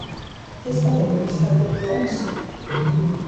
His other works have been lost.